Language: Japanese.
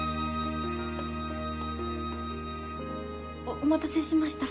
おお待たせしました。